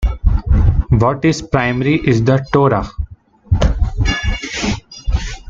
What is primary is the Torah.